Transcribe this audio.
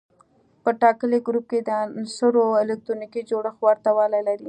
په ټاکلي ګروپ کې د عنصرونو الکتروني جوړښت ورته والی لري.